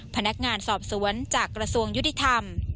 พนักงานสอบสวนจากกระทรวงยุติธรรม